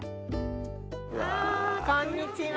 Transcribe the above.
こんにちは。